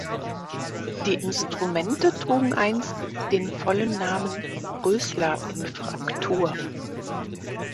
Die Instrumente trugen einst den vollen Namen "Rösler" in Fraktur.